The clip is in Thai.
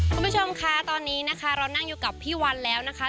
คุณผู้ชมคะตอนนี้นะคะเรานั่งอยู่กับพี่วันแล้วนะคะ